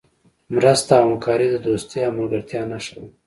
مرسته او همکاري د دوستۍ او ملګرتیا نښه ده.